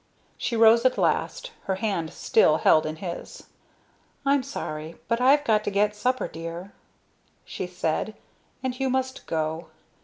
She rose at last, her hand still held in his. "I'm sorry, but I've got to get supper, dear," she said, "and you must go.